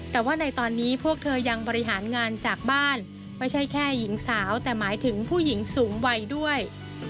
แต่ว่าในตอนนี้พวกเธอยังบริหารงานจากบ้านไม่ใช่แค่หญิงสาวแต่หมายถึงผู้หญิงสูงวัยด้วย